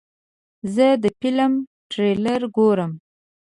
زه د فلم تریلر ګورم.